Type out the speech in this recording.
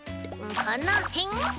このへん？